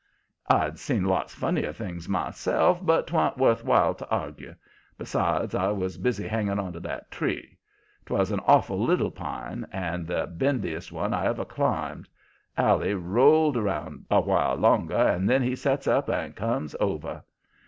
"I'd seen lots funnier things myself, but 'twa'n't worth while to argue. Besides, I was busy hanging onto that tree. 'Twas an awful little pine and the bendiest one I ever climbed. Allie rolled around a while longer, and then he gets up and comes over.